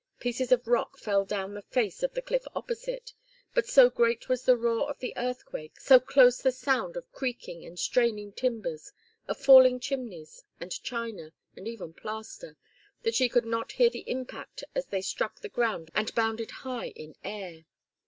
Pieces of rock fell down the face of the cliff opposite, but so great was the roar of the earthquake, so close the sound of creaking and straining timbers, of falling chimneys, and china, and even plaster, that she could not hear the impact as they struck the ground and bounded high in air.